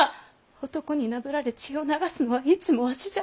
男になぶられ血を流すのはいつもわしじゃ！